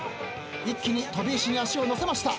一気に飛び石に足を乗せました。